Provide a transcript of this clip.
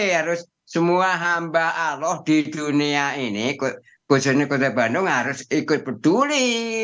harus semua hamba allah di dunia ini khususnya kota bandung harus ikut peduli